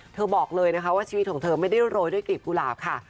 บอกเลยนะคะว่าชีวิตของเธอไม่ได้โรยด้วยกลีบกุหลาบค่ะ